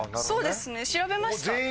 そうですね調べました。